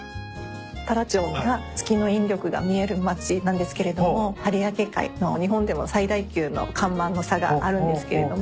太良町が月の引力が見える町なんですけれども有明海の日本でも最大級の寒暖の差があるんですけれども。